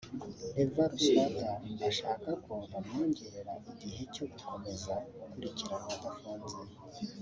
Eva Luswata ashaka ko bamwongera igihe cyo gukomeza gukurikiranwa adafunze